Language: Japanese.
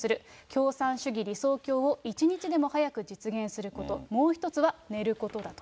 共産主義、理想郷を一日でも早く実現すること、もう一つは寝ることだと。